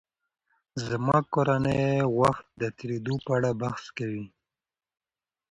زما کورنۍ وخت د تېرېدو په اړه بحث کوي.